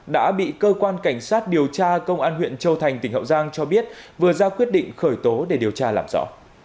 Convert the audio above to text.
đã bị cơ quan cảnh sát điều tra công an huyện châu thành tỉnh hậu giang cho biết vừa ra quyết định khởi tố để điều tra làm rõ